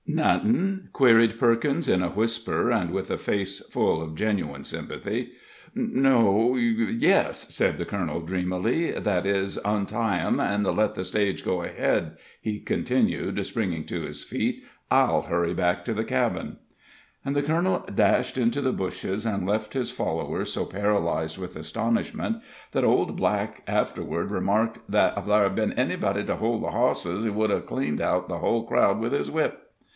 "Nothin'?" queried Perkins, in a whisper, and with a face full of genuine sympathy. "No yes," said the colonel, dreamily. "That is, untie em and let the stage go ahead," he continued, springing to his feet. "I'll hurry back to the cabin." And the colonel dashed into the bushes, and left his followers so paralyzed with astonishment, that Old Black afterward remarked that, "ef ther'd ben anybody to hold the hosses, he could hev cleaned out the hull crowd with his whip."